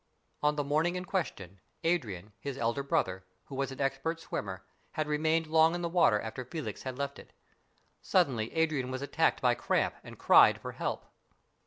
On the morning in question Adrian, his elder brother, who was an expert swimmer, had remained long in the water after Felix had left it. Suddenly Adrian was attacked by cramp and cried for help.